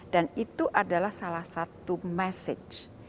dan itu adalah salah satu message